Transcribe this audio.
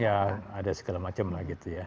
ya ada segala macam lagi itu ya